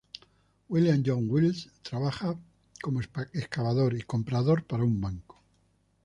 William John Wills trabaja como excavador y comprador para un banco.